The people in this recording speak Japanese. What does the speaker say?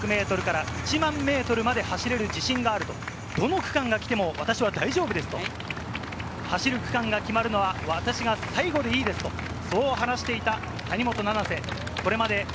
１５００ｍから１００００ｍまで走れる自信があると、どの区間が来ても私は大丈夫ですと走る区間が決まるのは私が最後でいいですと、そう話していた谷本七星。